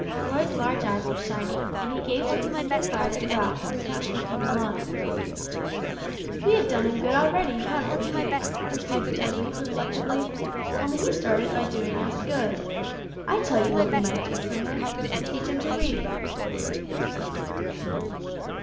Roy's large eyes were shining, and he gazed with tender pride at Rob who was now sweeping the lawn. "We have done him good already, haven't we?" pursued Dudley, reflectively; "only he started by doing us good. I tell you what we might do for him. Teach him to read."